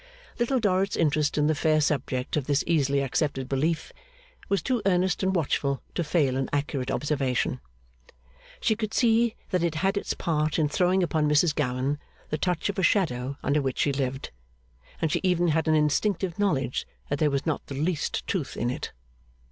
Little Dorrit's interest in the fair subject of this easily accepted belief was too earnest and watchful to fail in accurate observation. She could see that it had its part in throwing upon Mrs Gowan the touch of a shadow under which she lived, and she even had an instinctive knowledge that there was not the least truth in it.